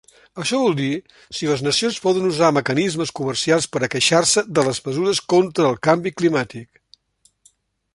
Això vol dir, si les nacions poden usar mecanismes comercials per a queixar-se de les mesures contra el canvi climàtic.